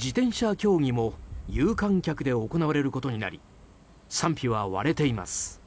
自転車競技も有観客で行われることになり賛否は割れています。